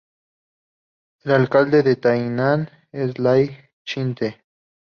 El alcalde de Tainan es Lai Ching-te.